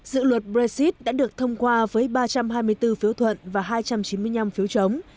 dự luật brexit đã được thông qua với ba trăm hai mươi bốn phiếu thuận và hai trăm chín mươi năm phiếu chống